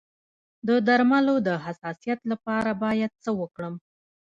د درملو د حساسیت لپاره باید څه وکړم؟